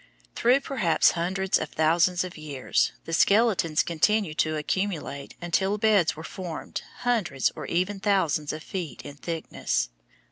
Through perhaps hundreds of thousands of years, the skeletons continued to accumulate until beds were formed hundreds or even thousands of feet in thickness.